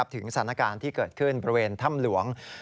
ถึงสถานการณ์ที่เกิดขึ้นบริเวณถ้ำหลวง